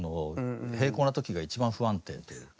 平行な時が一番不安定というか。